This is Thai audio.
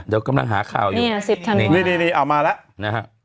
เดี๋ยวกำลังหาข่าวอยู่นี่อ่ะสิบทันวันนี่นี่นี่เอามาแล้วนะฮะ